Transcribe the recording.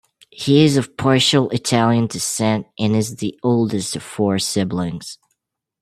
He is of partial Italian descent and is the oldest of four siblings.